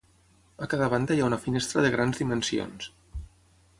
A cada banda hi ha una finestra de grans dimensions.